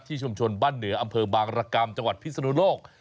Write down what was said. ชุมชนบ้านเหนืออำเภอบางรกรรมจังหวัดพิศนุโลก